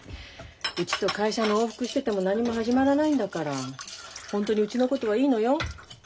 うちと会社の往復してても何も始まらないんだからホントにうちのことはいいのよ。